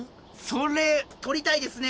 それ取りたいですね。